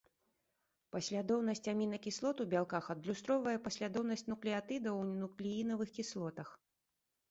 Паслядоўнасць амінакіслот у бялках адлюстроўвае паслядоўнасць нуклеатыдаў у нуклеінавых кіслотах.